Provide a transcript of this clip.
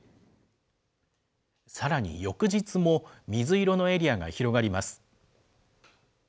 さらに翌日も、水色のエリアが広がります。